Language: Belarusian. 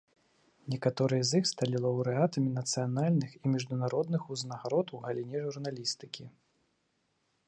Некаторыя з іх сталі лаўрэатамі нацыянальных і міжнародных узнагарод у галіне журналістыкі.